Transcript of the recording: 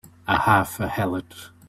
A half a heelot!